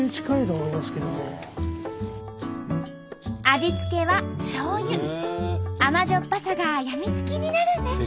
味付けは甘じょっぱさが病みつきになるんです。